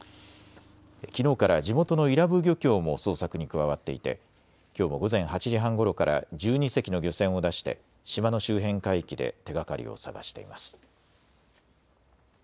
きのうから地元の伊良部漁協も捜索に加わっていてきょうも午前８時半ごろから１２隻の漁船を出して島の周辺海域で手がかりを探しています。